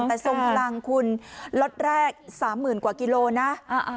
แต่ทรงพลังคุณรถแรกสามหมื่นกว่ากิโลนะอ่าอ่า